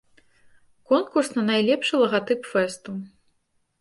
Конкурс на найлепшы лагатып фэсту.